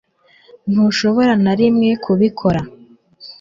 ntushobora na rimwe kubikora